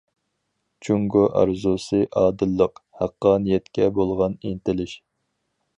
جۇڭگو ئارزۇسى ئادىللىق، ھەققانىيەتكە بولغان ئىنتىلىش.